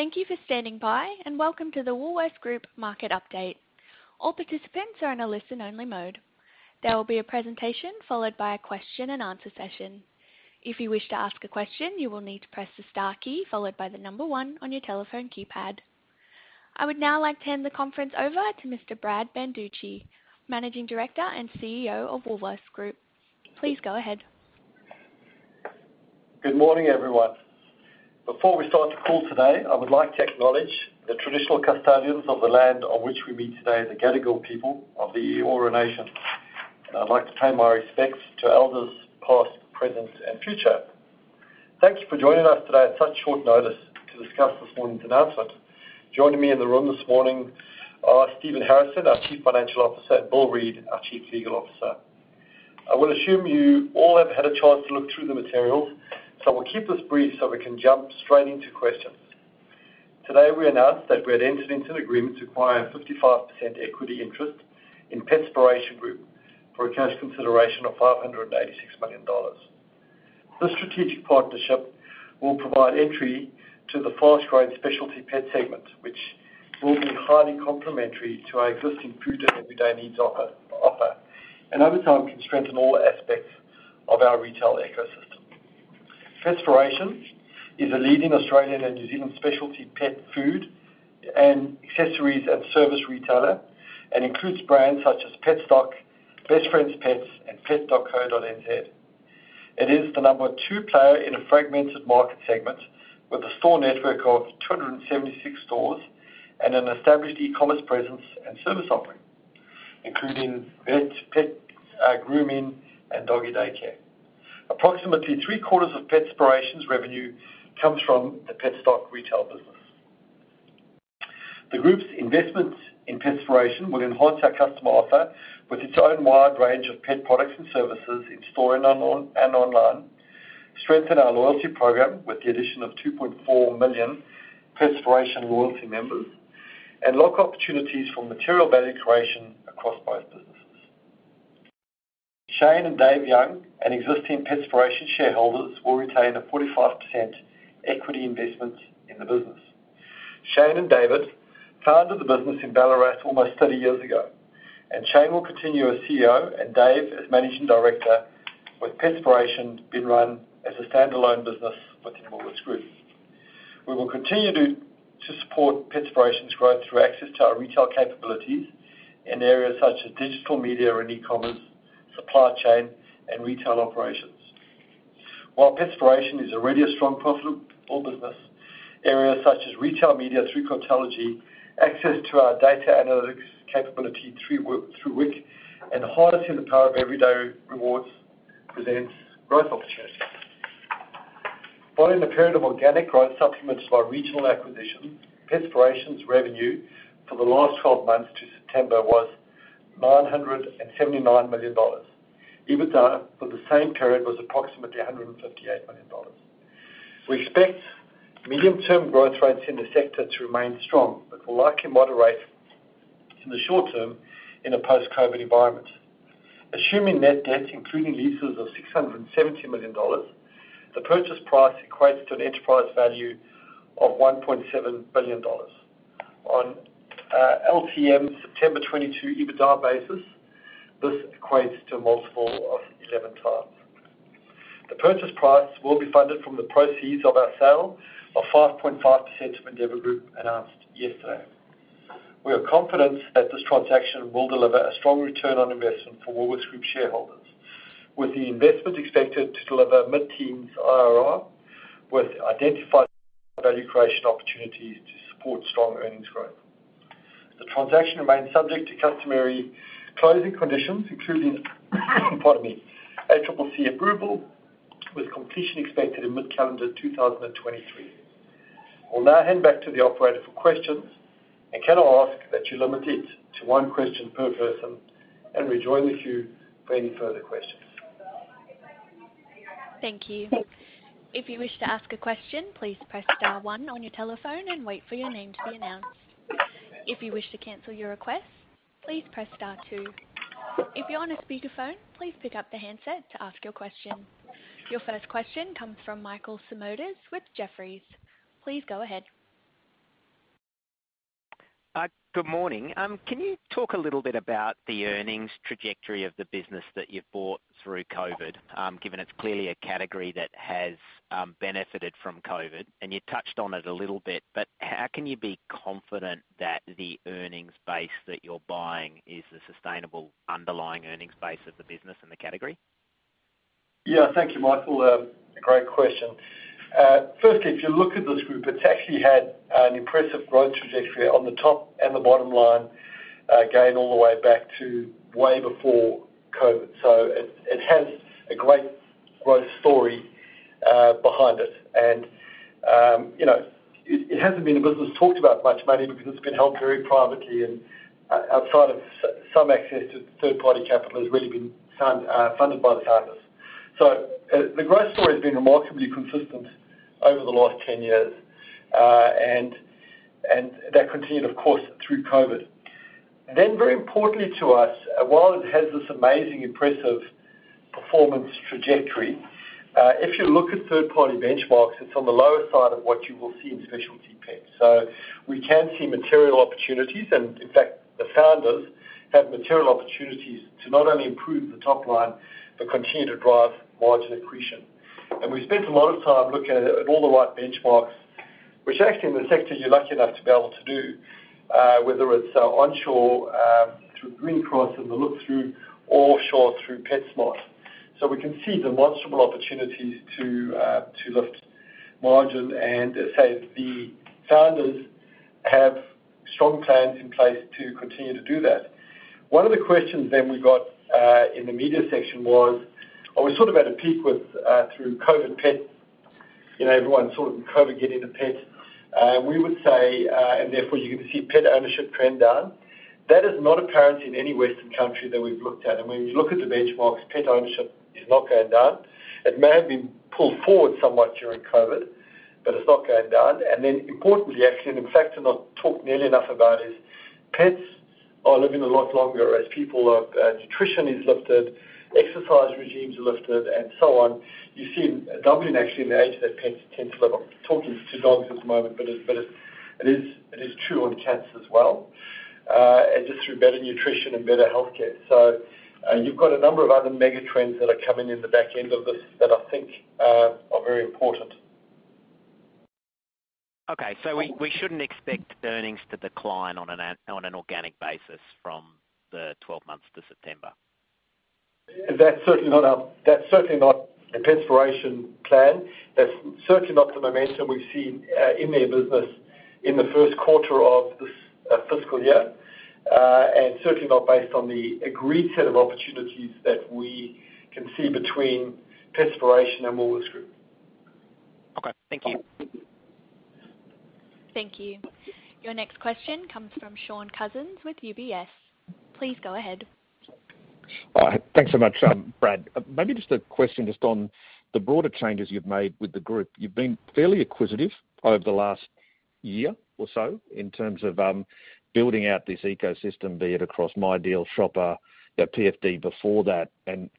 Thank you for standing by, welcome to the Woolworths Group Market Update. All participants are in a listen-only mode. There will be a presentation followed by a question-and-answer session. If you wish to ask a question, you will need to press the star key followed by the number one on your telephone keypad. I would now like to hand the conference over to Mr. Brad Banducci, Managing Director and CEO of Woolworths Group. Please go ahead. Good morning, everyone. Before we start the call today, I would like to acknowledge the traditional custodians of the land on which we meet today, the Gadigal people of the Eora Nation. I'd like to pay my respects to elders past, present, and future. Thank you for joining us today at such short notice to discuss this morning's announcement. Joining me in the room this morning are Stephen Harrison, our Chief Financial Officer, and Bill Reid, our Chief Legal Officer. I will assume you all have had a chance to look through the materials, so we'll keep this brief so we can jump straight into questions. Today, we announced that we had entered into an agreement to acquire a 55% equity interest in Petspiration Group for a cash consideration of 586 million dollars. This strategic partnership will provide entry to the fast-growing specialty pet segment, which will be highly complementary to our existing food and everyday needs offer, and over time can strengthen all aspects of our retail ecosystem. Petspiration is a leading Australian and New Zealand specialty pet food and accessories and service retailer, and includes brands such as Petstock, Best Friends Pets, and. It is the number two player in a fragmented market segment with a store network of 276 stores and an established e-commerce presence and service offering, including vet, pet, grooming and doggy daycare. Approximately three-quarters of Petspiration's revenue comes from the Petstock retail business. The group's investment in Petspiration will enhance our customer offer with its own wide range of pet products and services in-store and online, strengthen our loyalty program with the addition of 2.4 million Petspiration loyalty members, and lock opportunities for material value creation across both businesses. Shane and David Young and existing Petspiration shareholders will retain a 45% equity investment in the business. Shane and David founded the business in Ballarat almost 30 years ago, and Shane will continue as CEO and Dave as Managing Director, with Petspiration being run as a standalone business within Woolworths Group. We will continue to support Petspiration's growth through access to our retail capabilities in areas such as digital media and e-commerce, supply chain, and retail operations. While Petspiration is already a strong, profitable business, areas such as retail media through Cartology, access to our data analytics capability through WooliesX, and harnessing the power of Everyday Rewards presents growth opportunities. Following the period of organic growth supplemented by regional acquisition, Petspiration's revenue for the last 12 months to September was 979 million dollars. EBITDA for the same period was approximately 158 million dollars. We expect medium-term growth rates in the sector to remain strong, but will likely moderate in the short term in a post-COVID environment. Assuming net debt including leases of 670 million dollars, the purchase price equates to an enterprise value of 1.7 billion dollars. On LTM September 2022 EBITDA basis, this equates to a multiple of 11x. The purchase price will be funded from the proceeds of our sale of 5.5% of Endeavour Group announced yesterday. We are confident that this transaction will deliver a strong return on investment for Woolworths Group shareholders, with the investment expected to deliver mid-teens IRR, with identified value creation opportunity to support strong earnings growth. The transaction remains subject to customary closing conditions, including pardon me, ACCC approval, with completion expected in mid-calendar 2023. I'll now hand back to the operator for questions. Can I ask that you limit it to one question per person, and we join the queue for any further questions. Thank you. If you wish to ask a question, please press star one on your telephone and wait for your name to be announced. If you wish to cancel your request, please press star two. If you're on a speakerphone, please pick up the handset to ask your question. Your first question comes from Michael Simotas with Jefferies. Please go ahead. Good morning. Can you talk a little bit about the earnings trajectory of the business that you've bought through COVID, given it's clearly a category that has benefited from COVID? You touched on it a little bit, but how can you be confident that the earnings base that you're buying is the sustainable underlying earnings base of the business in the category? Yeah. Thank you, Michael. Great question. Firstly, if you look at this group, it's actually had an impressive growth trajectory on the top and the bottom line, going all the way back to way before COVID. It has a great growth story behind it. You know, it hasn't been a business talked about much, maybe because it's been held very privately and, outside of some access to third-party capital, it's really been funded by the founders. The growth story has been remarkably consistent over the last 10 years, and that continued, of course, through COVID. Very importantly to us, while it has this amazing impressive performance trajectory. If you look at third-party benchmarks, it's on the lower side of what you will see in specialty pets. We can see material opportunities and, in fact, the founders have material opportunities to not only improve the top line, but continue to drive margin accretion. We spent a lot of time looking at all the right benchmarks, which actually in the sector you're lucky enough to be able to do, whether it's onshore, through Greencross and the look-through or offshore through PetSmart. We can see demonstrable opportunities to lift margin and as said, the founders have strong plans in place to continue to do that. One of the questions then we got in the media section was, are we sort of at a peak with through COVID pet? You know, everyone sort of in COVID getting a pet. We would say, and therefore, you're gonna see pet ownership trend down. That is not apparent in any Western country that we've looked at. When you look at the benchmarks, pet ownership is not going down. It may have been pulled forward somewhat during COVID, but it's not going down. Importantly, actually, and in fact not talked nearly enough about, is pets are living a lot longer as nutrition is lifted, exercise regimes are lifted, and so on. You see a doubling actually in the age that pets tend to live on. Talking to dogs at the moment, but it is true on cats as well, just through better nutrition and better healthcare. You've got a number of other mega trends that are coming in the back end of this that I think are very important. Okay. We shouldn't expect earnings to decline on an organic basis from the 12 months to September? That's certainly not the Petspiration plan. That's certainly not the momentum we've seen in their business in the first quarter of this fiscal year. Certainly not based on the agreed set of opportunities that we can see between Petspiration and Woolworths Group. Okay. Thank you. Thank you. Your next question comes from Shaun Cousins with UBS. Please go ahead. Thanks so much, Brad. Maybe just a question just on the broader changes you've made with the group. You've been fairly acquisitive over the last year or so in terms of building out this ecosystem, be it across MyDeal, Shopper, you had PFD before that.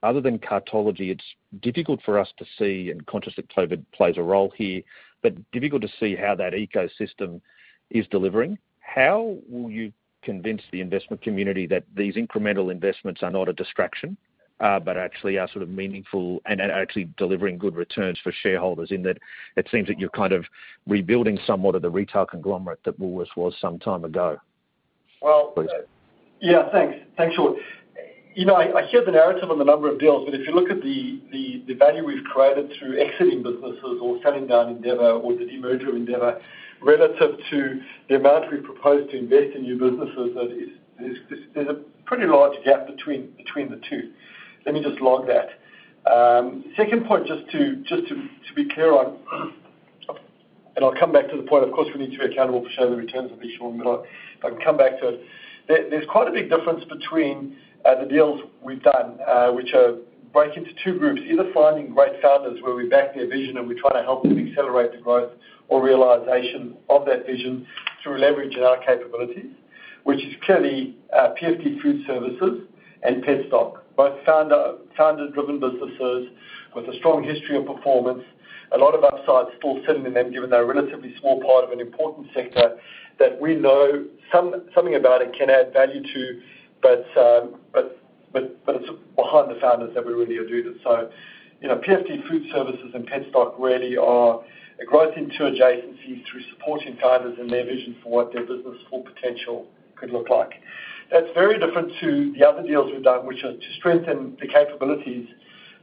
Other than Cartology, it's difficult for us to see, and conscious that COVID plays a role here, but difficult to see how that ecosystem is delivering. How will you convince the investment community that these incremental investments are not a distraction, but actually are sort of meaningful and actually delivering good returns for shareholders? In that it seems that you're kind of rebuilding somewhat of the retail conglomerate that Woolworths was some time ago. Well- Please. Yeah, thanks. Thanks, Shaun. You know, I hear the narrative on the number of deals, but if you look at the value we've created through exiting businesses or selling down Endeavour or the demerger of Endeavour relative to the amount we propose to invest in new businesses, that is, there's a pretty large gap between the two. Let me just log that. Second point, just to be clear on, I'll come back to the point, of course, we need to be accountable to show the returns of each one, but I can come back to it. There's quite a big difference between the deals we've done, which break into two groups, either finding great founders where we back their vision and we try to help them accelerate the growth or realization of that vision through leverage in our capabilities. Clearly, PFD Food Services Petstock, both founder-driven businesses with a strong history of performance. A lot of upsides still sitting in them, given they're a relatively small part of an important sector that we know something about and can add value to, but it's behind the founders that we really are doing it. You know, PFD Food Services Petstock really are a growth into adjacencies through supporting founders in their vision for what their business' full potential could look like. That's very different to the other deals we've done, which are to strengthen the capabilities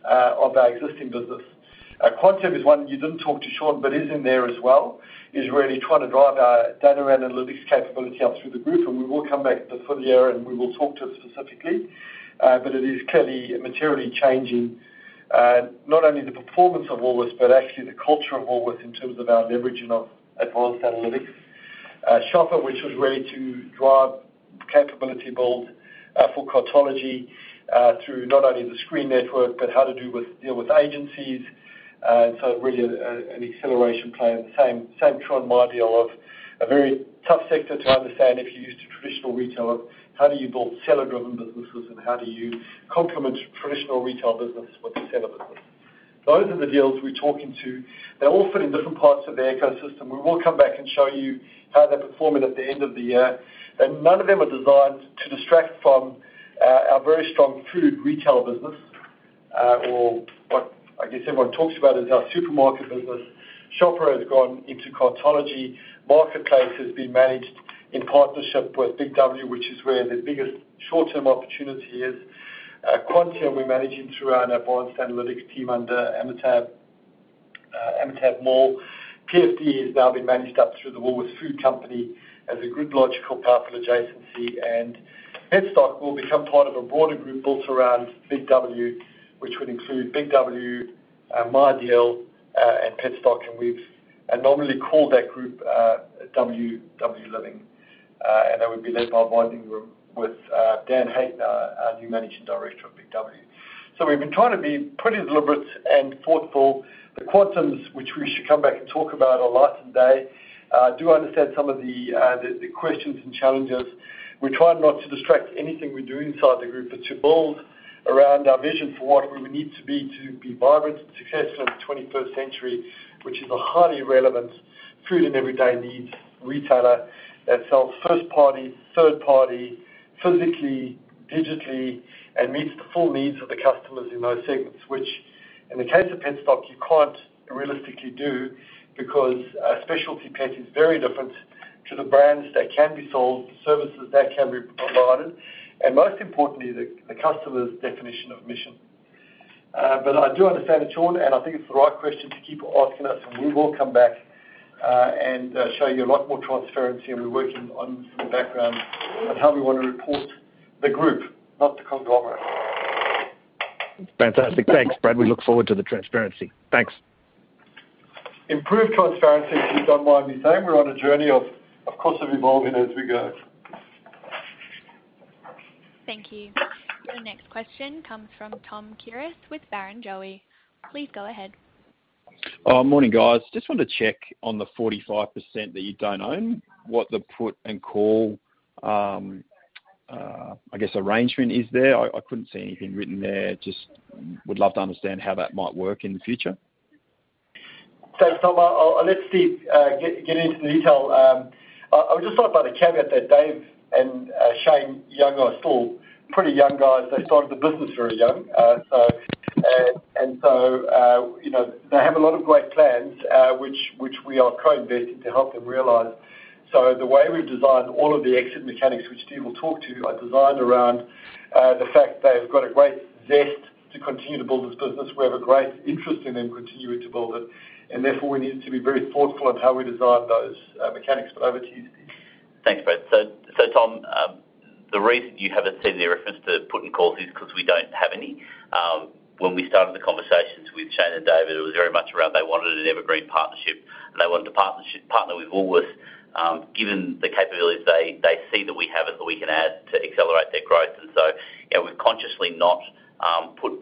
of our existing business. Quantium is one you didn't talk to, Shaun, but is in there as well, is really trying to drive our data and analytics capability up through the group, and we will come back to full year and we will talk to it specifically. But it is clearly materially changing, not only the performance of Woolworths, but actually the culture of Woolworths in terms of our leverage in our advanced analytics. Shopper, which was really to drive capability build for Cartology, through not only the screen network, but how to deal with agencies. Really an acceleration plan. Same, same true on MyDeal of a very tough sector to understand if you're used to traditional retail of how do you build seller-driven businesses and how do you complement traditional retail business with the seller business. Those are the deals we're talking to. They all fit in different parts of the ecosystem. We will come back and show you how they're performing at the end of the year. None of them are designed to distract from our very strong food retail business or what I guess everyone talks about is our supermarket business. Shopper has gone into Cartology. Marketplace has been managed in partnership with BIG W, which is where the biggest short-term opportunity is. Quantium, we're managing through our advanced analytics team under Amitabh Mall. PFD is now being managed up through the Woolworths Food Company as a good logical powerful adjacency. Petstock will become part of a broader group built around BIG W, which would include BIG W, MyDeal, and Petstock. We've informally called that group W Living. That would be led by within the group with Dan Hake, our new Managing Director of BIG W. We've been trying to be pretty deliberate and thoughtful. The Quantium, which we should come back and talk about are light of day. I do understand some of the questions and challenges. We try not to distract anything we do inside the group, but to build around our vision for what we would need to be to be vibrant and successful in the twenty-first century, which is a highly relevant food and everyday needs retailer that sells first party, third party, physically, digitally, and meets the full needs of the customers in those segments. Which in the case of Petstock, you can't realistically do because a specialty pet is very different to the brands that can be sold, the services that can be provided, and most importantly, the customer's definition of mission. I do understand the tone, and I think it's the right question to keep asking us, and we will come back and show you a lot more transparency, and we're working on some background of how we wanna report the group, not the conglomerate. Fantastic. Thanks, Brad. We look forward to the transparency. Thanks. Improved transparency, if you don't mind me saying, we're on a journey of course, of evolving as we go. Thank you. The next question comes from Tom Kierath with Barrenjoey. Please go ahead. Morning, guys. Just wanted to check on the 45% that you don't own, what the put and call, I guess, arrangement is there. I couldn't see anything written there. Just would love to understand how that might work in the future. Thanks, Tom. I'll let Steve get into the detail. I would just like to put a caveat that Dave and Shane Young are still pretty young guys. They started the business very young. You know, they have a lot of great plans, which we are co-investing to help them realize. The way we've designed all of the exit mechanics, which Steve will talk to, are designed around the fact they've got a great zest to continue to build this business. We have a great interest in them continuing to build it, and therefore, we needed to be very thoughtful on how we designed those mechanics. Over to you, Steve. Thanks, Brad. So, Tom, the reason you haven't seen any reference to put and call is 'cause we don't have any. When we started the conversations with Shane and David, it was very much around they wanted an evergreen partnership, and they wanted a partner with Woolworths, given the capabilities they see that we have and that we can add to accelerate their growth. you know, we've consciously not put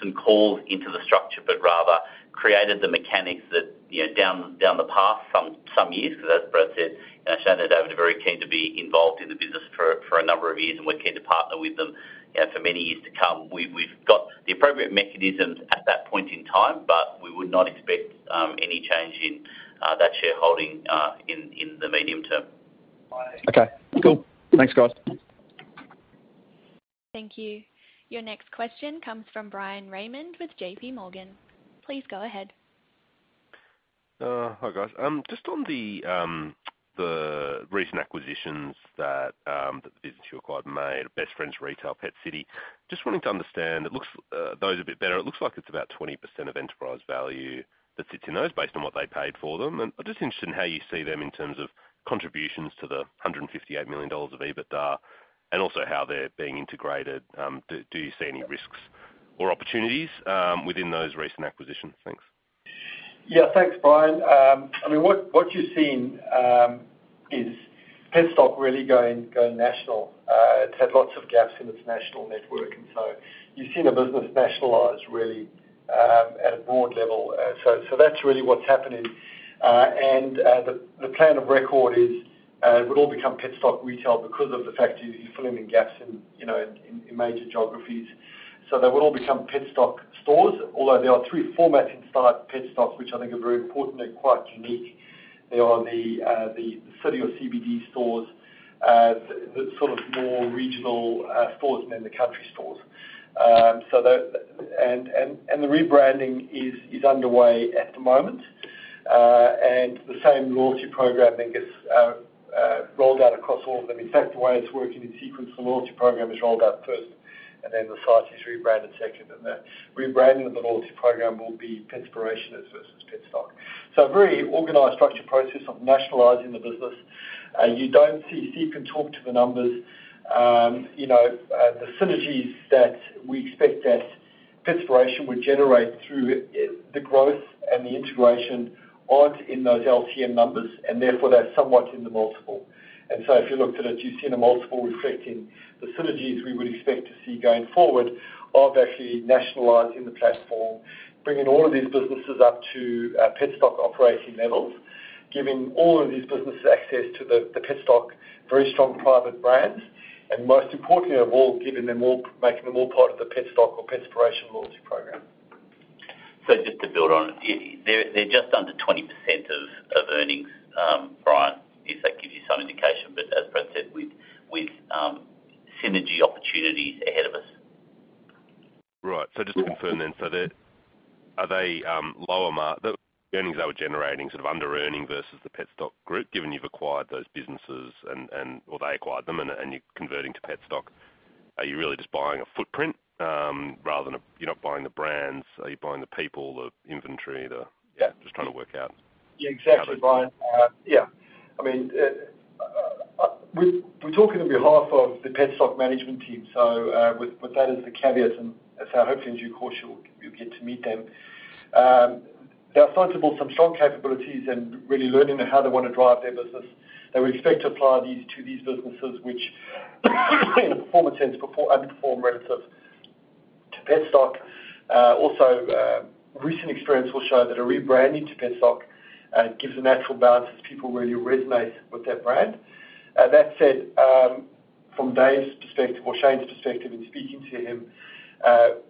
some calls into the structure, but rather created the mechanics that, you know, down the path some years, 'cause as Brad said, you know, Shane and David are very keen to be involved in the business for a number of years, and we're keen to partner with them, you know, for many years to come. We've got the appropriate mechanisms at that point in time. We would not expect any change in that shareholding in the medium term. Okay. Cool. Thanks, guys. Thank you. Your next question comes from Bryan Raymond with JPMorgan. Please go ahead. Hi guys. Just on the recent acquisitions that the business you acquired made, Best Friends retail, Pet City. Just wanting to understand. It looks those a bit better. It looks like it's about 20% of enterprise value that sits in those based on what they paid for them. I'm just interested in how you see them in terms of contributions to the 158 million dollars of EBITDA, and also how they're being integrated. Do you see any risks or opportunities within those recent acquisitions? Thanks. Yeah. Thanks, Bryan. I mean, what you're seeing is Petstock really going national. It's had lots of gaps in its national network, you've seen a business nationalize really at a broad level. That's really what's happening. The plan of record is it would all become Petstock retail because of the fact you're filling in gaps in, you know, in major geographies. They would all become Petstock stores, although there are three formats inside Petstock, which I think are very important. They're quite unique. They are the city or CBD stores, the sort of more regional stores and then the country stores. The rebranding is underway at the moment. The same loyalty program then gets rolled out across all of them. In fact, the way it's working in sequence, the loyalty program is rolled out first, and then the site is rebranded second, and the rebranding of the loyalty program will be Petspiration as versus Petstock. A very organized structure process of nationalizing the business. Steve can talk to the numbers. You know, the synergies that we expect that Petspiration would generate through the growth and the integration aren't in those LTM numbers, and therefore they're somewhat in the multiple. If you looked at it, you've seen a multiple reflecting the synergies we would expect to see going forward of actually nationalizing the platform, bringing all of these businesses up to Petstock operating levels, giving all of these businesses access to the Petstock very strong private brands, and most importantly of all, making them all part of the Petstock or Petspiration loyalty program. Just to build on it. They're just under 20% of earnings, Bryan, if that gives you some indication. As Brad said, with synergy opportunities ahead of us. Right. Just to confirm then? They're, are they, the earnings they were generating sort of under earning versus the Petstock Group, given you've acquired those businesses, or they acquired them and you're converting to Petstock, are you really just buying a footprint? You're not buying the brands. Are you buying the people, the inventory? Yeah. Just trying to work out. Yeah, exactly, Bryan. I mean, we're talking on behalf of the Petstock management team, so, with that as the caveat, hopefully in due course you'll get to meet them. They are sizable, some strong capabilities and really learning how they wanna drive their business. They expect to apply these to these businesses which in a performance sense, underperform relative to Petstock, also, recent experience will show that a rebranding to Petstock, gives a natural balance as people really resonate with that brand. That said, from Dave's perspective or Shane's perspective in speaking to him,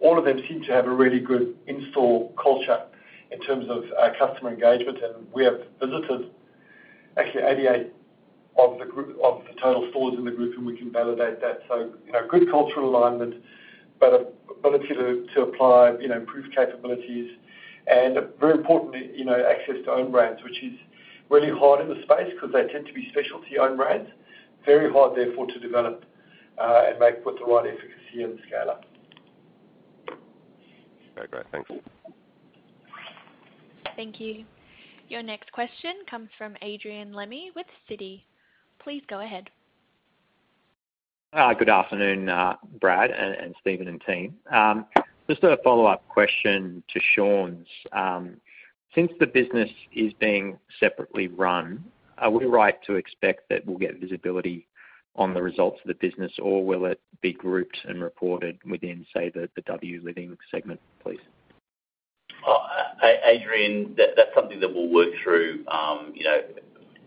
all of them seem to have a really good in-store culture in terms of customer engagement, and we have visited actually 88 of the total stores in the group, and we can validate that. You know, good cultural alignment, but a ability to apply, you know, improved capabilities and very importantly, you know, access to own brands, which is really hard in the space because they tend to be specialty own brands. Very hard therefore to develop and make with the right efficacy and scale up. Okay, great. Thanks. Thank you. Your next question comes from Adrian Lemme with Citi. Please go ahead. Good afternoon, Brad and Stephen and team. Just a follow-up question to Shaun's. Since the business is being separately run, are we right to expect that we'll get visibility on the results of the business, or will it be grouped and reported within, say, the W Living segment, please? Adrian, that's something that we'll work through, you know,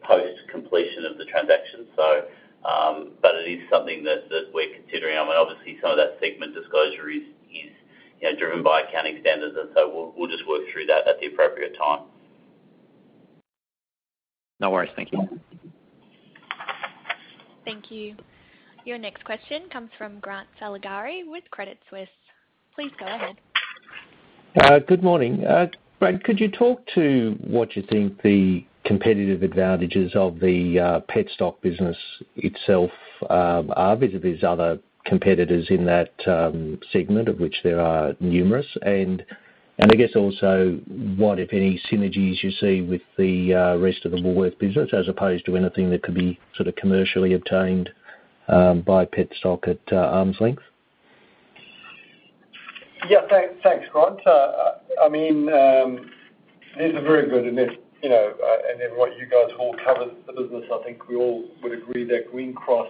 post-completion of the transaction, but it is something that we're considering. I mean, obviously some of that segment disclosure is, you know, driven by accounting standards, we'll just work through that at the appropriate time. No worries. Thank you. Thank you. Your next question comes from Grant Saligari with Credit Suisse. Please go ahead. Good morning. Brad, could you talk to what you think the competitive advantages of the Petstock business itself are vis-à-vis other competitors in that segment, of which there are numerous, and I guess also what, if any, synergies you see with the rest of the Woolworths business as opposed to anything that could be sort of commercially obtained by Petstock at arm's length? Yeah. Thanks, Grant. I mean, these are very good and they're, and then what you guys all cover the business, I think we all would agree that Greencross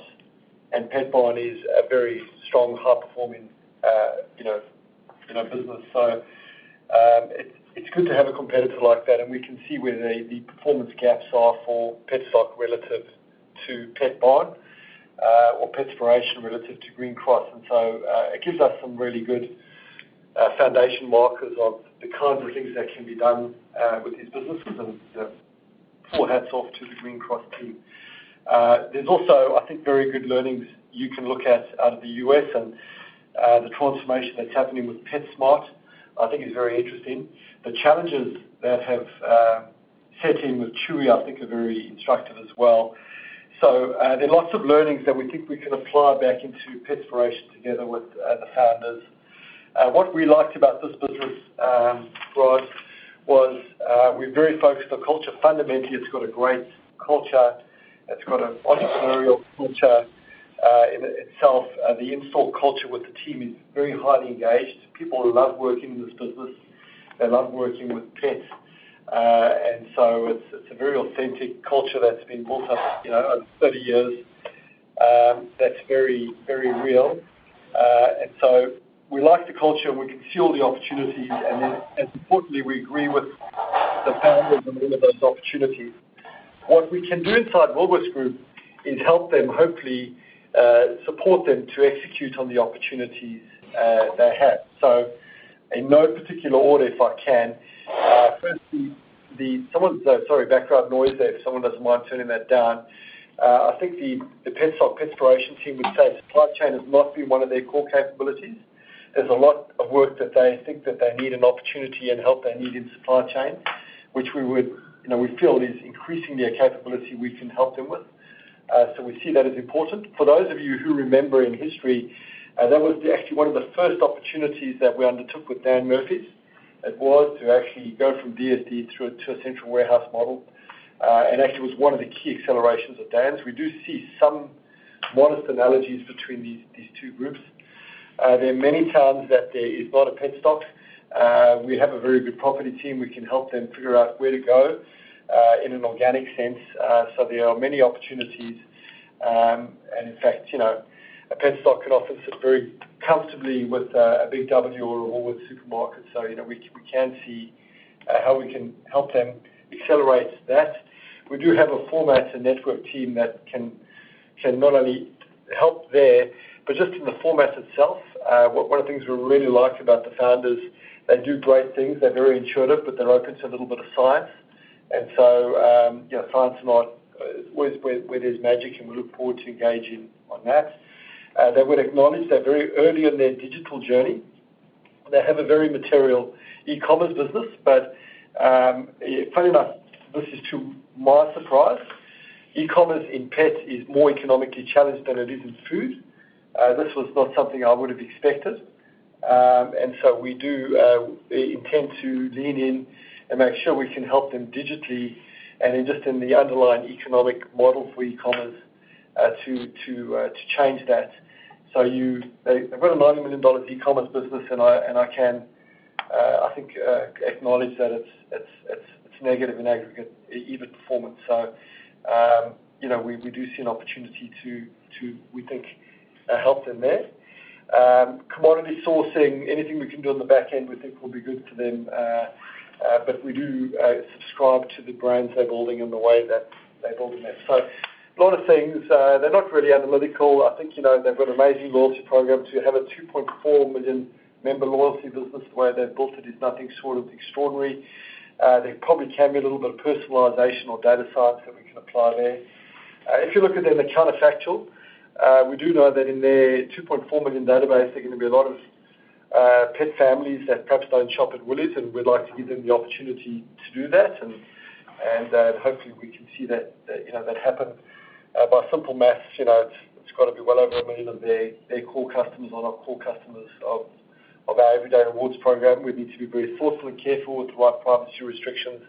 and Petbarn is a very strong, high-performing, business. It's good to have a competitor like that, and we can see where the performance gaps are for Petstock relative to Petbarn, or Petspiration relative to Greencross. It gives us some really good foundation markers of the kinds of things that can be done with these businesses, and hats off to the Greencross team. There's also, I think, very good learnings you can look at out of the U.S. and the transformation that's happening with PetSmart I think is very interesting. The challenges that have set in with Chewy I think are very instructive as well. There are lots of learnings that we think we can apply back into Petspiration together with the founders. What we liked about this business, Grant, was we're very focused on culture. Fundamentally, it's got a great culture. It's got an entrepreneurial culture in itself. The in-store culture with the team is very highly engaged. People love working in this business. They love working with pets. It's a very authentic culture that's been built up, you know, over 30 years that's very, very real. We like the culture, we can see all the opportunities, and importantly, we agree with the founders on all of those opportunities. What we can do inside Woolworths Group is help them, hopefully, support them to execute on the opportunities they have. In no particular order, if I can, first. Sorry, background noise there. If someone doesn't mind turning that down. I think the Petstock, Petspiration team would say supply chain has not been one of their core capabilities. There's a lot of work that they think that they need an opportunity and help they need in supply chain, which we would, you know, we feel is increasingly a capability we can help them with. We see that as important. For those of you who remember in history, that was actually one of the first opportunities that we undertook with Dan Murphy's. It was to actually go from DSD through to a central warehouse model, and actually was one of the key accelerations of Dan's. We do see some modest analogies between these two groups. There are many towns that there is not a Petstock. We have a very good property team. We can help them figure out where to go in an organic sense. There are many opportunities, and in fact, you know, a Petstock can often sit very comfortably with a BIG W or a Woolworths supermarket. You know, we can see how we can help them accelerate that. We do have a format and network team that can not only help there, but just in the format itself, one of the things we really like about the founders, they do great things. They're very intuitive, they're open to a little bit of science. You know, science and art, where there's magic, and we look forward to engaging on that. They would acknowledge they're very early in their digital journey. They have a very material e-commerce business, funny enough, this is to my surprise, e-commerce in pets is more economically challenged than it is in food. This was not something I would have expected. We do intend to lean in and make sure we can help them digitally and in just in the underlying economic model for e-commerce, to change that. They've got an 90 million dollars e-commerce business, and I think acknowledge that it's negative in aggregate, EBIT performance. You know, we do see an opportunity to, we think, help them there. Commodity sourcing, anything we can do on the back end, we think will be good to them, we do subscribe to the brands they're building and the way that they're building that. A lot of things. They're not really analytical. I think, you know, they've got amazing loyalty programs. You have a 2.4 million member loyalty business. The way they've built it is nothing short of extraordinary. There probably can be a little bit of personalization or data science that we can apply there. If you look at them at counterfactual, we do know that in their 2.4 million database, they're gonna be a lot of pet families that perhaps don't shop at Woolies, and we'd like to give them the opportunity to do that and hopefully we can see that, you know, that happen. By simple maths, you know, it's gotta be well over 1 million of their core customers are not core customers of our Everyday Rewards program. We need to be very thoughtful and careful with our privacy restrictions,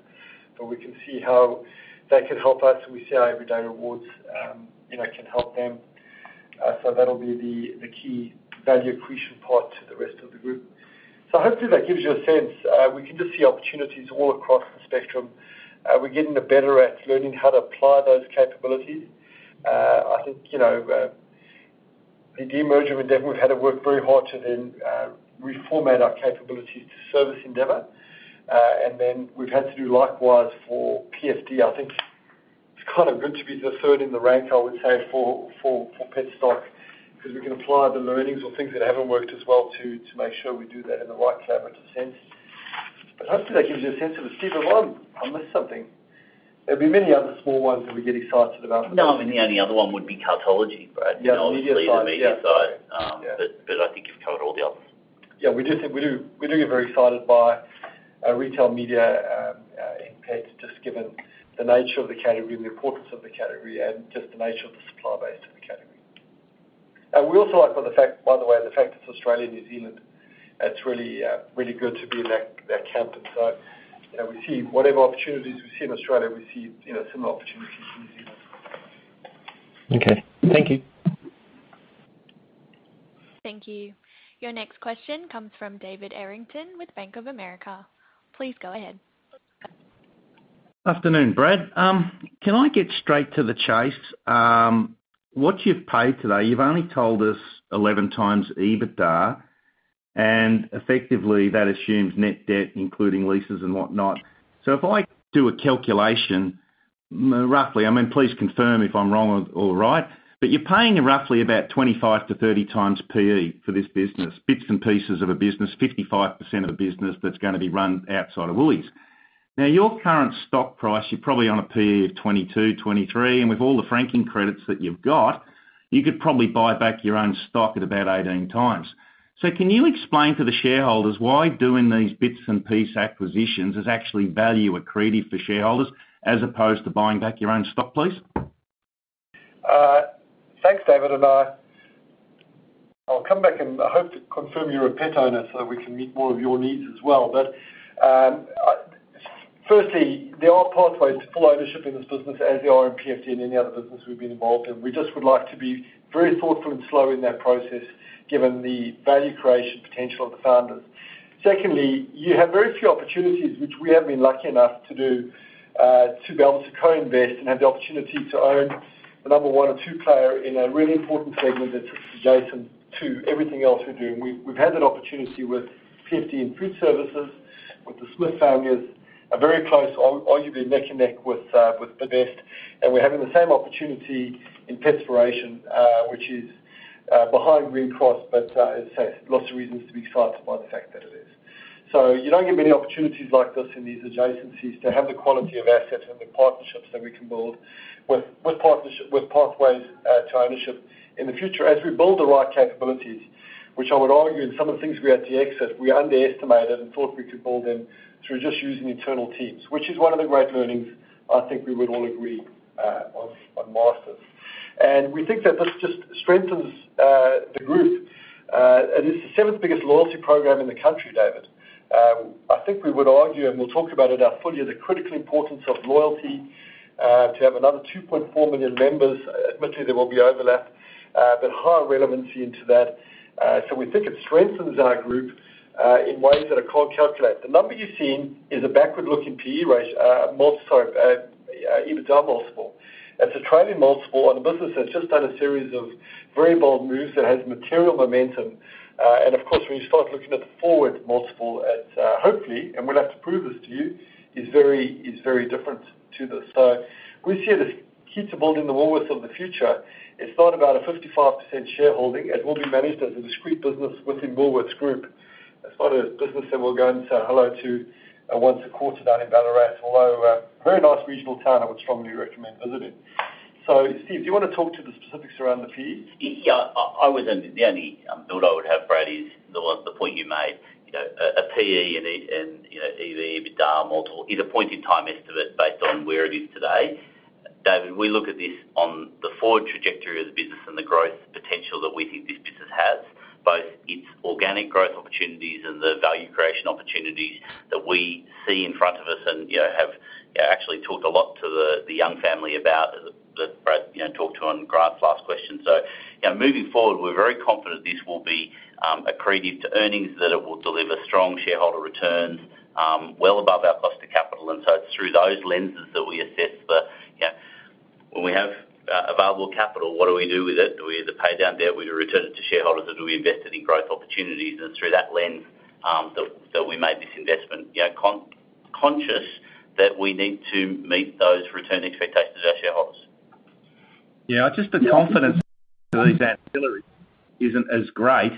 but we can see how they can help us. We see how Everyday Rewards, you know, can help them. That'll be the key value accretion part to the rest of the group. Hopefully that gives you a sense. We can just see opportunities all across the spectrum. We're getting better at learning how to apply those capabilities. I think, you know, with the merger with Endeavour, we've had to work very hard to then reformat our capabilities to service Endeavour. We've had to do likewise for PFD. I think it's kind of good to be the third in the rank, I would say for Petstock, 'cause we can apply the learnings or things that haven't worked as well to make sure we do that in the right cadence sense. Hopefully that gives you a sense of the scope. I missed something. There'll be many other small ones that we're getting excited about. No, I mean, the only other one would be Cartology, Brad. Yeah, the media side. Obviously the media side. Yeah. But I think you've covered all the others. Yeah, we do get very excited by retail media in pet, just given the nature of the category and the importance of the category and just the nature of the supply base to the category. We also like for the fact, by the way, the fact it's Australia and New Zealand, it's really good to be in that camp. You know, we see whatever opportunities we see in Australia, we see, you know, similar opportunities in New Zealand. Okay. Thank you. Thank you. Your next question comes from David Errington with Bank of America. Please go ahead. Afternoon, Brad. Can I get straight to the chase? What you've paid today, you've only told us 11x EBITDA, and effectively that assumes net debt, including leases and whatnot. If I do a calculation roughly, I mean, please confirm if I'm wrong or right, but you're paying roughly about 25x-30x PE for this business, bits and pieces of a business, 55% of the business that's gonna be run outside of Woolies. Now, your current stock price, you're probably on a PE of 22, 23, and with all the franking credits that you've got, you could probably buy back your own stock at about 18x. Can you explain to the shareholders why doing these bits-and-piece acquisitions is actually value accretive for shareholders as opposed to buying back your own stock, please? Thanks, David, and I'll come back and I hope to confirm you're a pet owner, so that we can meet more of your needs as well. Firstly, there are pathways to full ownership in this business as there are in PFD and any other business we've been involved in. We just would like to be very thoughtful and slow in that process, given the value creation potential of the founders. Secondly, you have very few opportunities, which we have been lucky enough to do, to be able to co-invest and have the opportunity to own the number one or two player in a really important segment that's adjacent to everything else we're doing. We've had that opportunity with PFD in food services, with the Smith family. A very close, arguably neck and neck with Bravest. We're having the same opportunity in Petspiration, which is behind Greencross, but as I say, lots of reasons to be excited by the fact that it is. You don't get many opportunities like this in these adjacencies to have the quality of assets and the partnerships that we can build with pathways to ownership. In the future, as we build the right capabilities, which I would argue in some of the things we had to exit, we underestimated and thought we could build them through just using internal teams, which is one of the great learnings I think we would all agree on Masters. We think that this just strengthens the group. This is the seventh biggest loyalty program in the country, David. I think we would argue, and we'll talk about it out fully, the critical importance of loyalty, to have another 2.4 million members. Admittedly, there will be overlap, but higher relevancy into that. We think it strengthens our group in ways that are can't calculate. The number you're seeing is a backward-looking PE ratio, EBITDA multiple. It's a trading multiple, and the business has just done a series of very bold moves that has material momentum. Of course, when you start looking at the forward multiple at, hopefully, and we'll have to prove this to you, is very different to this. We see it as key to building the Woolworths of the future. It's not about a 55% shareholding. It will be managed as a discrete business within Woolworths Group. It's not a business that we'll go and say hello to, once a quarter down in Ballarat, although a very nice regional town I would strongly recommend visiting. Steve, do you wanna talk to the specifics around the PEs? Yeah. I would only... The only thought I would have, Brad, is the one, the point you made. You know, a PE and, you know, EV, EBITDA multiple is a point-in-time estimate based on where it is today. David, we look at this on the forward trajectory of the business and the growth potential that we think this business has, both its organic growth opportunities and the value creation opportunities that we see in front of us and, you know, have actually talked a lot to the young family about on Grant's last question. You know, moving forward, we're very confident this will be accretive to earnings, that it will deliver strong shareholder returns, well above our cost of capital. It's through those lenses that we assess the, you know, when we have available capital, what do we do with it? Do we either pay down debt, do we return it to shareholders, or do we invest it in growth opportunities? It's through that lens that we made this investment. You know, conscious that we need to meet those return expectations of our shareholders. Yeah, just the confidence ancillary isn't as great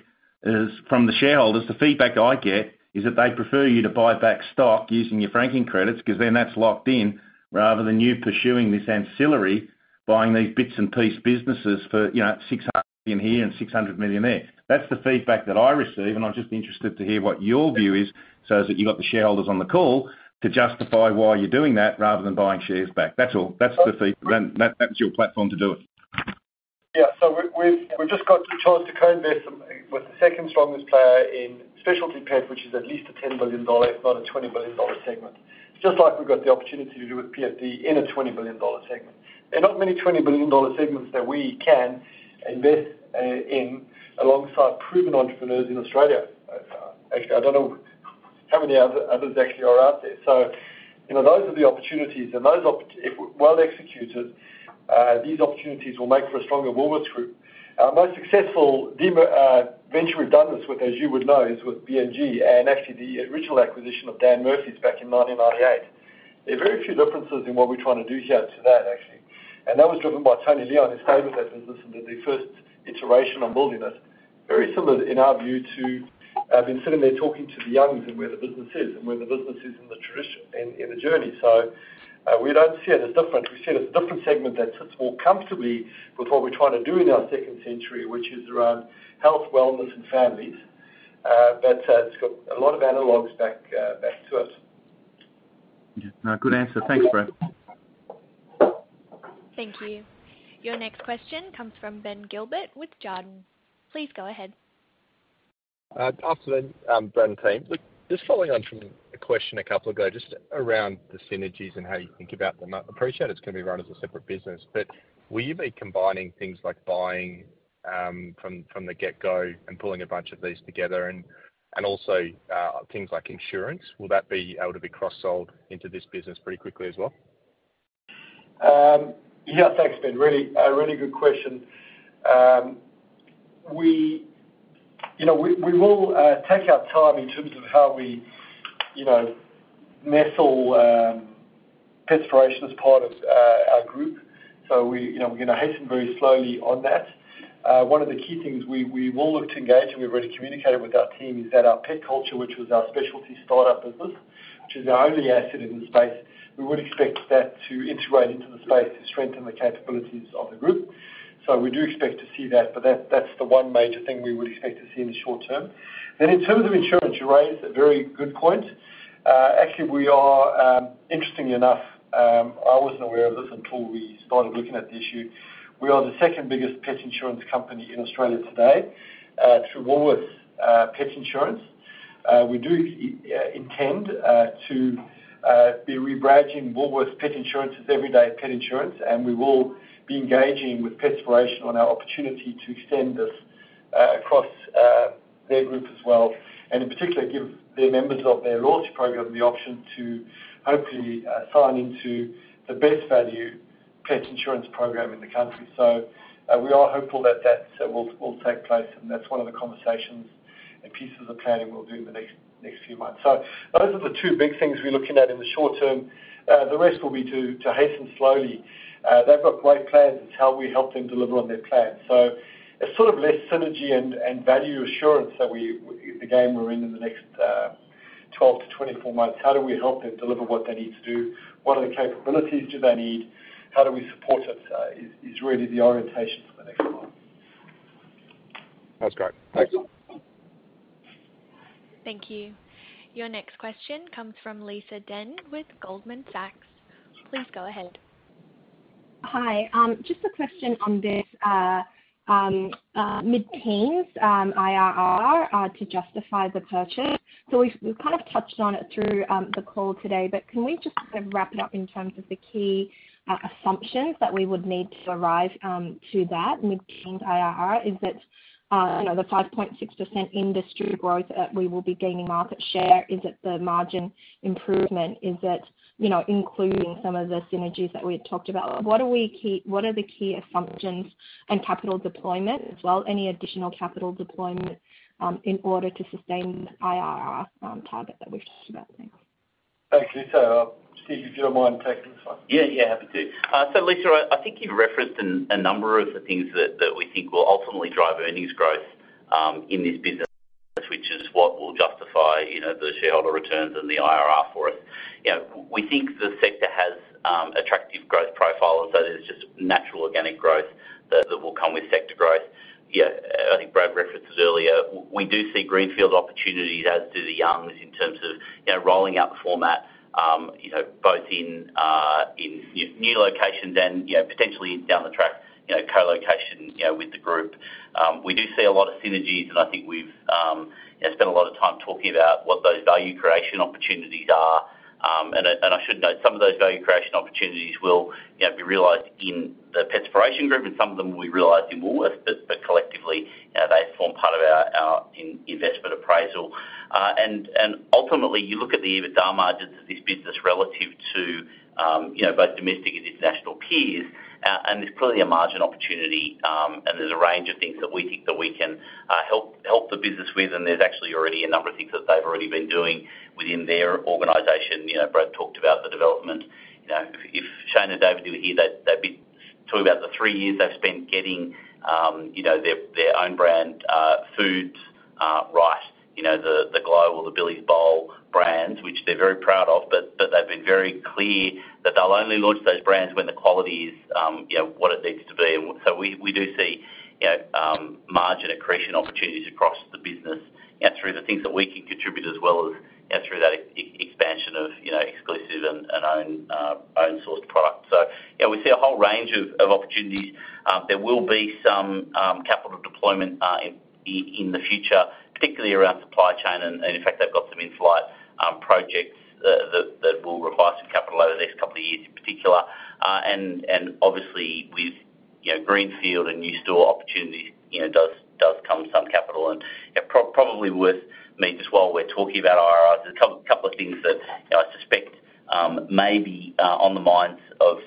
as from the shareholders. The feedback I get is that they prefer you to buy back stock using your franking credits, 'cause then that's locked in, rather than you pursuing this ancillary, buying these bits-and-piece businesses for, you know, in here and 600 million there. That's the feedback that I receive, and I'm just interested to hear what your view is, so as that you've got the shareholders on the call to justify why you're doing that rather than buying shares back. That's all. That's the fee. That, that's your platform to do it. Yeah. We've just got the chance to co-invest with the second strongest player in specialty pet, which is at least an 10 billion dollar, if not an 20 billion dollar segment. It's just like we've got the opportunity to do with PFD in an 20 billion dollar segment. There are not many 20 billion dollar segments that we can invest in alongside proven entrepreneurs in Australia. Actually, I don't know how many others actually are out there. You know, those are the opportunities. Those opportunities, if well executed, these opportunities will make for a stronger Woolworths Group. Our most successful venture we've done this with, as you would know, is with BMG, and actually the original acquisition of Dan Murphy's back in 1998. There are very few differences in what we're trying to do here to that actually. That was driven by Tony Leon, who's famous as business as the first iteration on wilderness. Very similar in our view to, been sitting there talking to the Youngs and where the business is in the journey. We don't see it as different. We see it as a different segment that sits more comfortably with what we're trying to do in our second century, which is around health, wellness, and families. It's got a lot of analogs back to us. Yeah. No, good answer. Thanks, Brad. Thank you. Your next question comes from Ben Gilbert with Jarden. Please go ahead. Afternoon, Brad and team. Look, just following on from a question a couple ago, just around the synergies and how you think about them. I appreciate it's gonna be run as a separate business, but will you be combining things like buying from the get-go and pulling a bunch of these together and also things like insurance, will that be able to be cross-sold into this business pretty quickly as well? Yeah. Thanks, Ben. Really good question. You know, we will take our time in terms of how we, you know, nestle Petspiration as part of our group. We, you know, we're gonna hasten very slowly on that. One of the key things we will look to engage, and we've already communicated with our team, is that our PetCulture, which was our specialty startup business, which is our only asset in the space, we would expect that to integrate into the space to strengthen the capabilities of the group. We do expect to see that, but that's the one major thing we would expect to see in the short term. In terms of insurance, you raised a very good point. Actually, we are, interestingly enough, I wasn't aware of this until we started looking at the issue. We are the second-biggest pet insurance company in Australia today, through Woolworths Pet Insurance. We do intend to be rebranding Woolworths Pet Insurance as Everyday Pet Insurance, and we will be engaging with Petspiration on our opportunity to extend this across their group as well, and in particular, give their members of their loyalty program the option to hopefully sign into the best value pet insurance program in the country. We are hopeful that that will take place, and that's one of the conversations and pieces of planning we'll do in the next few months. Those are the two big things we're looking at in the short term. The rest will be to hasten slowly. They've got great plans. It's how we help them deliver on their plans. It's sort of less synergy and value assurance that we, the game we're in in the next 12-24 months. How do we help them deliver what they need to do? What are the capabilities do they need? How do we support it is really the orientation for the next part. That's great. Thanks. Thank you. Your next question comes from Lisa Deng with Goldman Sachs. Please go ahead. Hi. Just a question on this mid-teens IRR to justify the purchase. We've kind of touched on it through the call today, but can we just sort of wrap it up in terms of the key assumptions that we would need to arrive to that mid-teens IRR? Is it, you know, the 5.6% industry growth, we will be gaining market share? Is it the margin improvement? Is it, you know, including some of the synergies that we had talked about? What are the key assumptions and capital deployment as well, any additional capital deployment in order to sustain the IRR target that we've talked about today? Thanks, Lisa. Steve, if you don't mind taking this one. Yeah, yeah. Happy to. Lisa, I think you've referenced a number of the things that we think will ultimately drive earnings growth in this business, which is what will justify, you know, the shareholder returns and the IRR for us. You know, we think the sector has attractive growth profile, there's just natural organic growth that will come with sector growth. I think Brad referenced this earlier, we do see greenfield opportunities, as do the Youngs, in terms of, you know, rolling out the format, you know, both in, you know, new locations and, you know, potentially down the track, you know, co-location, you know, with the group. We do see a lot of synergies, I think we've, you know, spent a lot of time talking about what those value creation opportunities are. I should note, some of those value creation opportunities will, you know, be realized in the Petspiration Group, and some of them will be realized in Woolworths. Collectively, you know, they form part of our in-investment appraisal. Ultimately, you look at the EBITDA margins of this business relative to, you know, both domestic and international peers. There's clearly a margin opportunity, and there's a range of things that we think that we can help the business with. There's actually already a number of things that they've already been doing within their organization. You know, Brad talked about the development. You know, if Shane and David were here, they'd be talking about the three years they've spent getting, you know, their own brand foods right. You know, the Globe or the Billy's Bowl brands, which they're very proud of. They've been very clear that they'll only launch those brands when the quality is, you know, what it needs to be. We do see, you know, margin accretion opportunities across the business, you know, through the things that we can contribute, as well as, you know, through that e-expansion of, you know, exclusive and own sourced products. You know, we see a whole range of opportunities. There will be some capital deployment in the future, particularly around supply chain. In fact, they've got some in-flight projects that will require some capital over the next couple of years in particular. And obviously, with, you know, greenfield and new store opportunities, you know, does come some capital. You know, probably worth me, just while we're talking about IRRs, there's a couple of things that, you know, I suspect may be on the minds of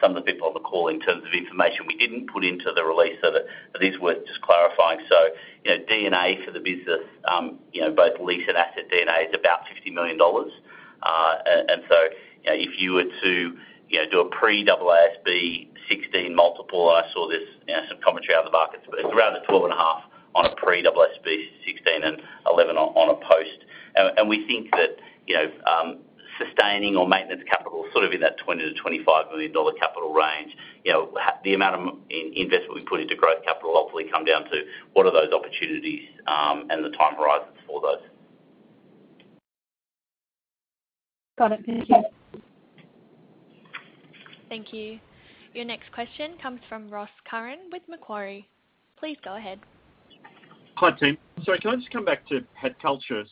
some of the people on the call in terms of information we didn't put into the release. That these are worth just clarifying. You know, D&A for the business, you know, both lease and asset D&A is about 50 million dollars. You know, if you were to, you know, do a pre-AASB 16 multiple, and I saw this, you know, some commentary out of the markets, but it's around a 12.5 on a pre-AASB 16 and 11 on a post. We think that, you know, sustaining or maintenance capital is sort of in that 20 million-25 million dollar capital range. You know, the amount of investment we put into growth capital will obviously come down to what are those opportunities, and the time horizons for those. Got it. Thank you. Thank you. Your next question comes from Ross Curran with Macquarie. Please go ahead. Hi, team. Sorry, can I just come back to PetCulture?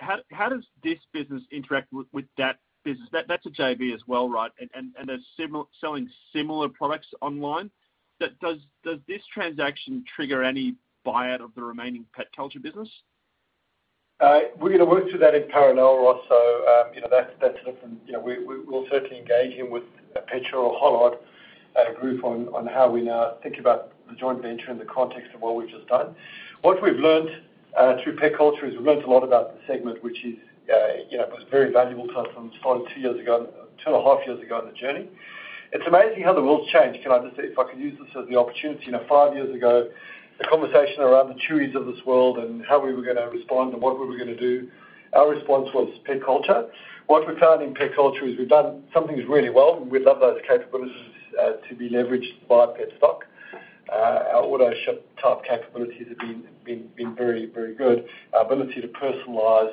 How does this business interact with that business? That's a JV as well, right? And they're selling similar products online. Does this transaction trigger any buyout of the remaining PetCulture business? We're gonna work through that in parallel, Ross. You know, that's a different... You know, we will certainly engage in with PetSure or Hollard Group on how we now think about the joint venture in the context of what we've just done. What we've learned through PetCulture is we've learned a lot about the segment, which is, you know, was a very valuable platform started two years ago, two and a half years ago in the journey. It's amazing how the world's changed. Can I just say, if I could use this as the opportunity. You know, five years ago, the conversation around the Chewys of this world and how we were gonna respond and what were we gonna do, our response was PetCulture. What we found in PetCulture is we've done some things really well, and we'd love those capabilities to be leveraged by Petstock. Our auto-ship type capabilities have been very, very good. Our ability to personalize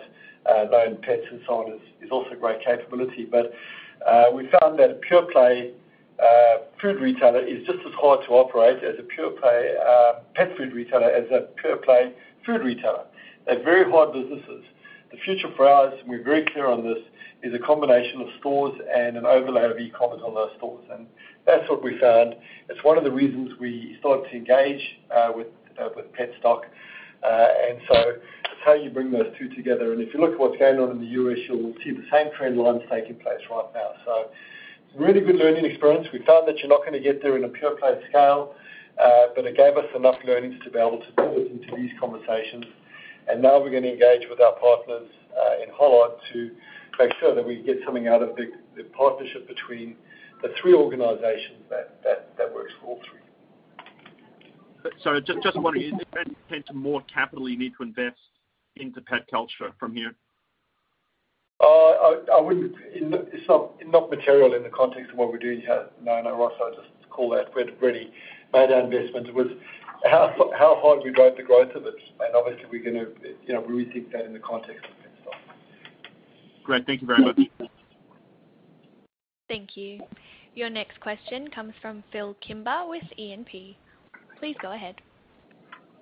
known pets and so on is also a great capability. We found that a pure play food retailer is just as hard to operate as a pure play pet food retailer, as a pure play food retailer. They're very hard businesses. The future for us, and we're very clear on this, is a combination of stores and an overlay of e-commerce on those stores, and that's what we found. It's one of the reasons we started to engage with Petstock. It's how you bring those two together. If you look at what's going on in the U.S., you'll see the same trend lines taking place right now. Really good learning experience. We found that you're not gonna get there in a pure play scale, but it gave us enough learnings to be able to build it into these conversations. Now we're gonna engage with our partners in Hollard to make sure that we get something out of the partnership between the three organizations that works for all three. Just wondering, does that hint to more capital you need to invest into PetCulture from here? I wouldn't. It's not material in the context of what we're doing here. No, Ross, I'd just call that we'd already made our investment. It was how hard we drive the growth of it. Obviously we're gonna, you know, rethink that in the context of Petstock. Great. Thank you very much. Thank you. Your next question comes from Phil Kimber with E&P. Please go ahead.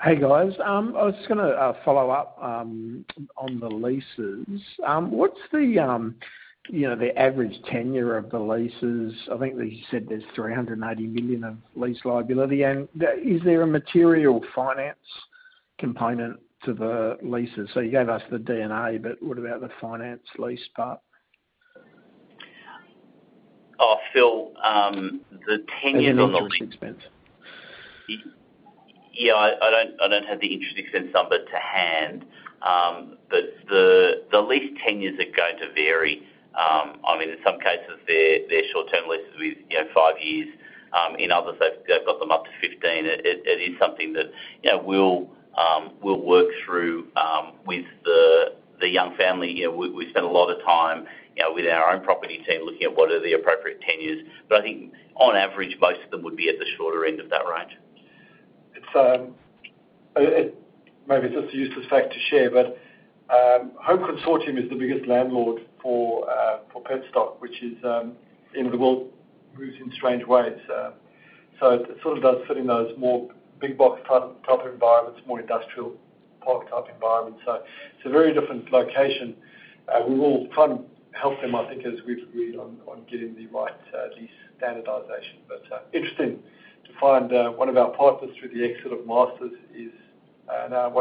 Hey, guys. I was just gonna follow up on the leases. What's the, you know, the average tenure of the leases? I think that you said there's 380 million of lease liability. Is there a material finance component to the leases? You gave us the D&A, but what about the finance lease part? Oh, Phil, the tenures on the le-. The interest expense. Yeah, I don't have the interest expense number to hand. The lease tenures are going to vary. I mean, in some cases they're short-term leases with, you know, five years. In others, they've got them up to 15. It is something that, you know, we'll work through with the Young family. You know, we spent a lot of time, you know, with our own property team looking at what are the appropriate tenures. I think on average, most of them would be at the shorter end of that range. It maybe just a useless fact to share, but Home Consortium is the biggest landlord for Petstock, which is, you know, the world moves in strange ways. It sort of does fit in those more big box type of property environments, more industrial park type environments. It's a very different location. We will try and help them, I think, as we've agreed on getting the right lease standardization. Interesting to find one of our partners through the exit of Masters is now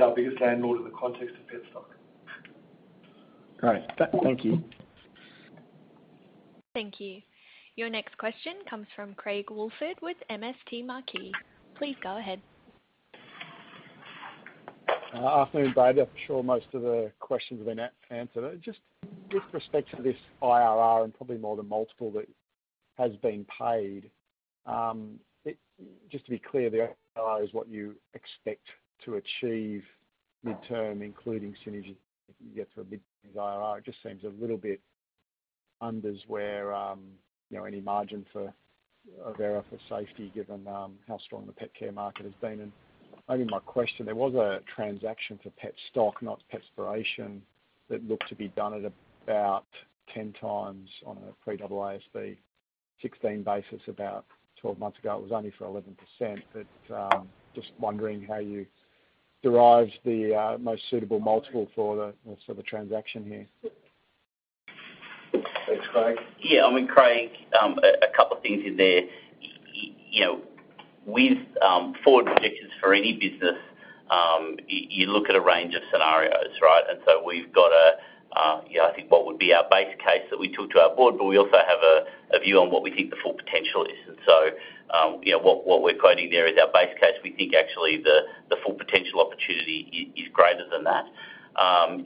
our biggest landlord in the context of Petstock. Great. Thank you. Thank you. Your next question comes from Craig Woolford with MST Marquee. Please go ahead. Afternoon, Brad. Yeah, for sure most of the questions have been answered. Just with respect to this IRR and probably more the multiple that has been paid, just to be clear there, IRR is what you expect to achieve midterm, including synergy, if you get to a mid IRR. It just seems a little bit unders where, you know, any margin for error for safety given how strong the pet care market has been. Maybe my question, there was a transaction for Petstock, not Petspiration, that looked to be done at about 10x on a pre-AASB 16 basis about 12 months ago. It was only for 11%. just wondering how you derived the most suitable multiple for the transaction here. Thanks, Craig. I mean, Craig, a couple of things in there. You know, with forward projections for any business, you look at a range of scenarios, right? We've got a, you know, I think what would be our base case that we took to our board, but we also have a view on what we think the full potential is. You know, what we're quoting there is our base case. We think actually the full potential opportunity is greater than that.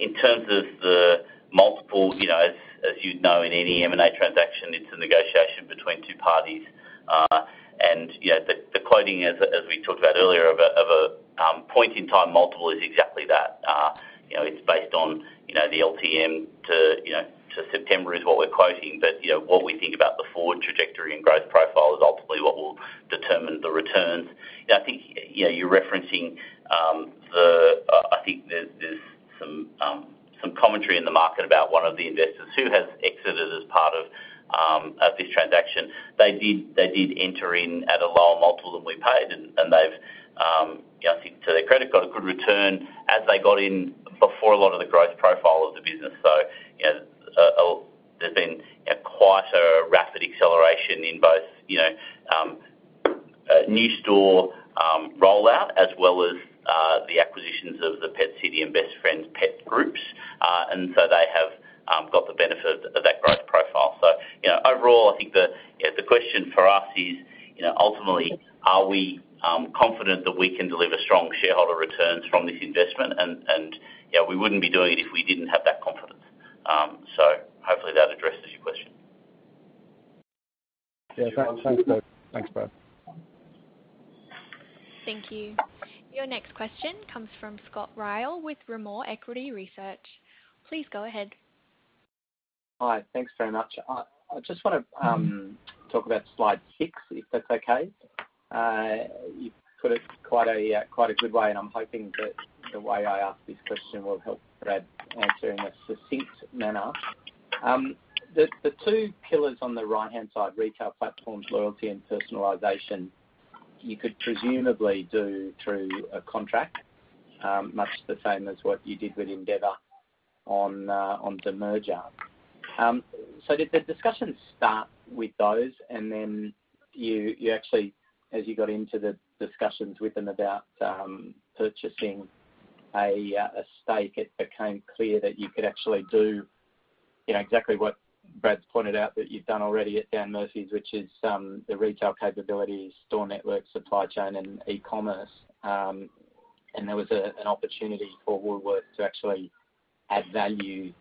In terms of the multiple, you know, as you'd know, in any M&A transaction, it's a negotiation between two parties. You know, the quoting as we talked about earlier, of a point-in-time multiple is exactly that. You know, it's based on, you know, the LTM to, you know, to September is what we're quoting. You know, what we think about the forward trajectory and growth profile is ultimately what will determine the returns. You know, I think, you know, you're referencing, I think there's some commentary in the market about one of the investors who has exited as part of this transaction. They did enter in at a lower multiple than we paid. They've, you know, I think to their credit, got a good return as they got in before a lot of the growth profile of the business. You know, there's been a quite a rapid acceleration in both, you know, new store, rollout, as well as, the acquisitions of the Pet City and Best Friends Pets groups. They have, got the benefit of that growth profile. You know, overall, I think the, you know, the question for us is, you know, ultimately, are we, confident that we can deliver strong shareholder returns from this investment? You know, we wouldn't be doing it if we didn't have that confidence. Hopefully that addresses your question. Yeah. Thanks, Brad. Thank you. Your next question comes from Scott Ryall with Rimor Equity Research. Please go ahead. Hi. Thanks very much. I just wanna talk about slide six, if that's okay. You put it quite a, quite a good way, and I'm hoping that the way I ask this question will help Brad answer in a succinct manner. The two pillars on the right-hand side, retail platforms, loyalty, and personalization, you could presumably do through a contract, much the same as what you did with Endeavour on the merger. Did the discussions start with those and then you actually, as you got into the discussions with them about purchasing a stake, it became clear that you could actually do, you know, exactly what Brad's pointed out that you've done already at Dan Murphy's, which is, the retail capabilities, store network, supply chain, and e-commerce. There was a, an opportunity for Woolworths to actually add value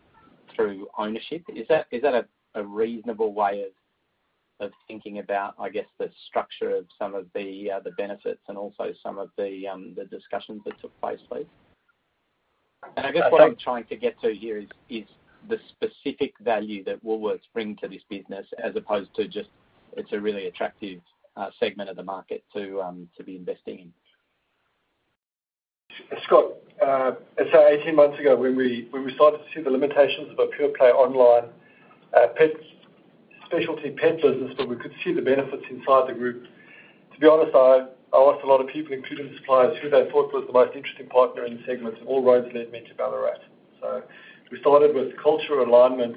through ownership. Is that a reasonable way of thinking about, I guess, the structure of some of the benefits and also some of the discussions that took place, please? So- I guess what I'm trying to get to here is the specific value that Woolworths bring to this business as opposed to just it's a really attractive segment of the market to be investing in. Scott, as I said 18 months ago, when we started to see the limitations of a pure play online specialty pet business, but we could see the benefits inside the group. To be honest, I asked a lot of people, including suppliers, who they thought was the most interesting partner in the segment, all roads led me to Ballarat. We started with culture alignment,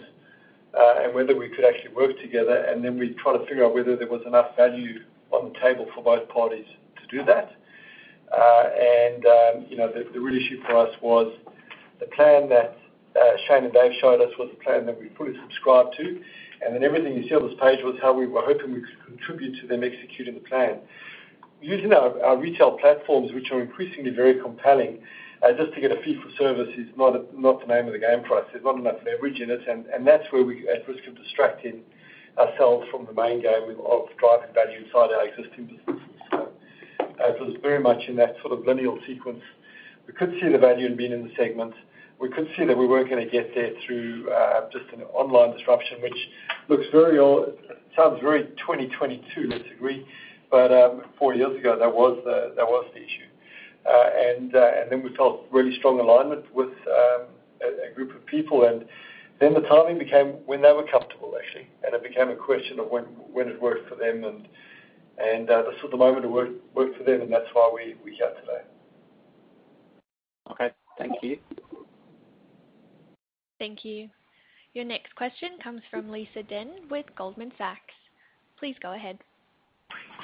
and whether we could actually work together, and then we tried to figure out whether there was enough value on the table for both parties to do that. You know, the real issue for us was the plan that Shane and Dave showed us was the plan that we fully subscribed to. Everything you see on this page was how we were hoping we could contribute to them executing the plan. Using our retail platforms, which are increasingly very compelling, just to get a fee for service is not the name of the game for us. There's not enough leverage in it, and that's where we're at risk of distracting ourselves from the main game of driving value inside our existing businesses. It was very much in that sort of lineal sequence. We could see the value in being in the segment. We could see that we weren't gonna get there through, just an online disruption, which sounds very 2022, disagree, but, four years ago, that was the, that was the issue. Then we felt really strong alignment with, a group of people. The timing became when they were comfortable actually, and it became a question of when it worked for them, and this was the moment it worked for them, and that's why we're here today. Okay. Thank you. Thank you. Your next question comes from Lisa Deng with Goldman Sachs. Please go ahead.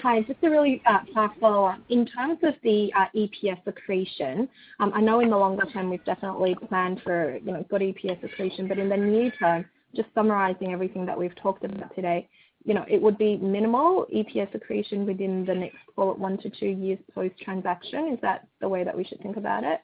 Hi. Just a really quick follow-up. In terms of the EPS accretion, I know in the longer term we've definitely planned for, you know, good EPS accretion, but in the near term, just summarizing everything that we've talked about today, you know, it would be minimal EPS accretion within the next call it one to two years post-transaction. Is that the way that we should think about it?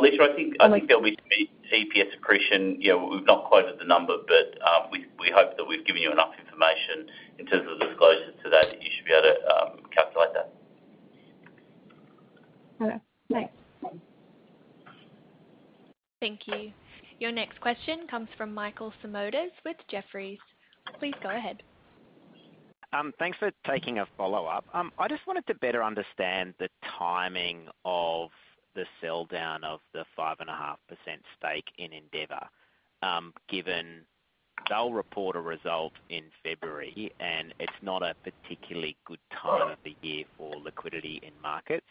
Lisa, I think there'll be some EPS accretion. You know, we've not quoted the number, but we hope that we've given you enough information in terms of the disclosures to date. You should be able to calculate that. Okay. Thanks. Thank you. Your next question comes from Michael Simotas with Jefferies. Please go ahead. Thanks for taking a follow-up. I just wanted to better understand the timing of the sell-down of the 5.5% stake in Endeavour, given they'll report a result in February, and it's not a particularly good time of the year for liquidity in markets.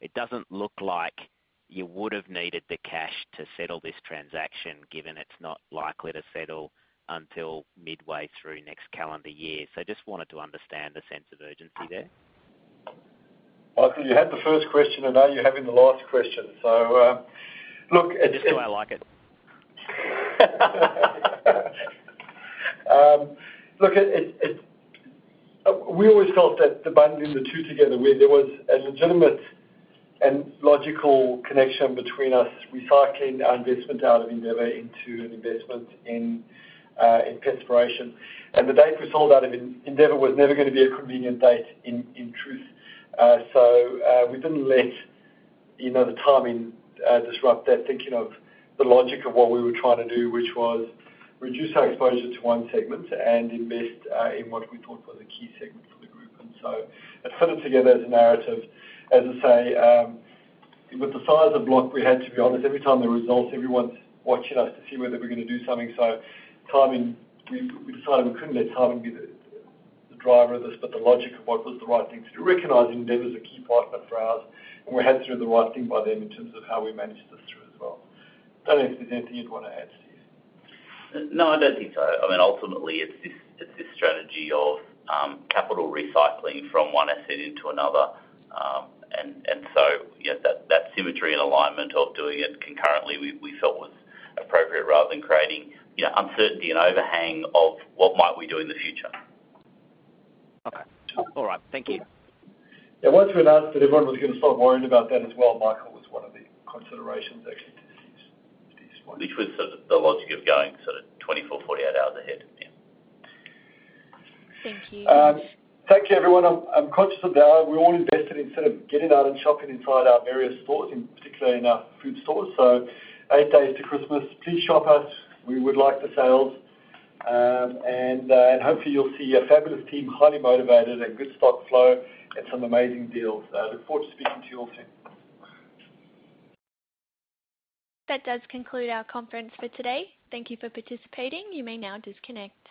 It doesn't look like you would've needed the cash to settle this transaction, given it's not likely to settle until midway through next calendar year. Just wanted to understand the sense of urgency there. Michael, you had the first question, and now you're having the last question. Look, Just the way I like it. Look, we always felt that the bundling the two together where there was a legitimate and logical connection between us recycling our investment out of Endeavour into an investment in Petspiration. The date we sold out of Endeavour was never gonna be a convenient date in truth. We didn't let, you know, the timing disrupt that thinking of the logic of what we were trying to do, which was reduce our exposure to one segment and invest in what we thought was a key segment for the group. It fitted together as a narrative. As I say, with the size of block we had, to be honest, every time the results, everyone's watching us to see whether we're gonna do something. Timing, we decided we couldn't let timing be the driver of this, but the logic of what was the right thing to do. Recognizing Endeavour's a key partner for ours, and we had to do the right thing by them in terms of how we managed this through as well. Don't know if there's anything you'd wanna add, Steve. No, I don't think so. I mean, ultimately, it's this, it's this strategy of, capital recycling from one asset into another. Yeah, that symmetry and alignment of doing it concurrently we felt was appropriate rather than creating, you know, uncertainty and overhang of what might we do in the future. Okay. All right. Thank you. Yeah, once we announced it, everyone was gonna start worrying about that as well, Michael, was one of the considerations actually to this, to this point. Which was the logic of going sort of 24, 48 hours ahead. Yeah. Thank you. Thank you, everyone. I'm conscious of the hour. We're all invested in sort of getting out and shopping inside our various stores, in particular in our food stores. Eight days to Christmas, please shop us. We would like the sales. And hopefully you'll see a fabulous team, highly motivated, and good stock flow and some amazing deals. Look forward to speaking to you all soon. That does conclude our conference for today. Thank you for participating. You may now disconnect.